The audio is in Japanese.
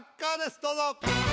どうぞ。